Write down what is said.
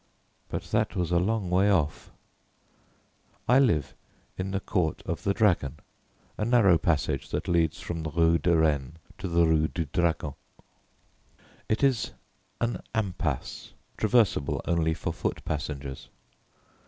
But that was a long way off. I live in the Court of the Dragon, a narrow passage that leads from the Rue de Rennes to the Rue du Dragon. It is an "impasse"; traversable only for foot passengers.